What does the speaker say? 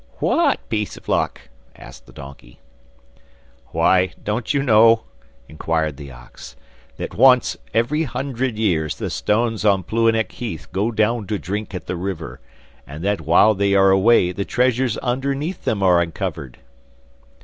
'What piece of luck?' asked the donkey. 'Why, don't you know,' inquired the ox, 'that once very hundred years the stones on Plouhinec heath go down to drink at the river, and that while they are away the treasures underneath them are uncovered?